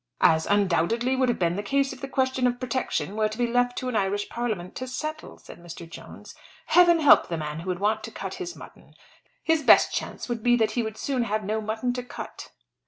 "As undoubtedly would have been the case if the question of protection were to be left to an Irish Parliament to settle," said Mr. Jones. "Heaven help the man who would want to cut his mutton. His best chance would be that he would soon have no mutton to cut."